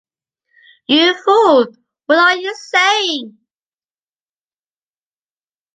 You fool! What are you saying?